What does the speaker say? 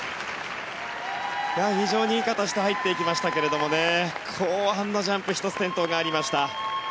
非常にいい形で入っていきましたけれどね後半のジャンプ１つ転倒がありました。